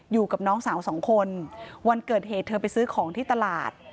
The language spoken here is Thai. อยู่กับน้องสาวสองคนวันเกิดเหตุเธอไปซื้อของที่ตลาด